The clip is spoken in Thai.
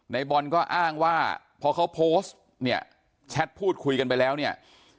ในบอลก็อ้างว่าพอเขาโพสต์เนี่ยแชทพูดคุยกันไปแล้วเนี่ย